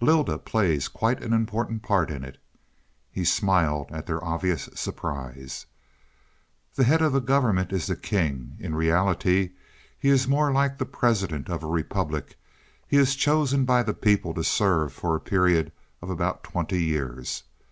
"Lylda plays quite an important part in it." He smiled at their obvious surprise. "The head of the government is the king. In reality he is more like the president of a republic; he is chosen by the people to serve for a period of about twenty years.